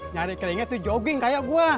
cari keringat tuh jogging kayak gua